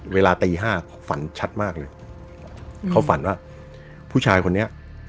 เวลาตีห้าเขาฝันชัดมากเลยเขาฝันว่าผู้ชายคนนี้